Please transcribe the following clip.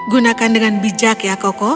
gunakan dengan bijak ya koko